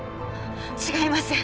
違います！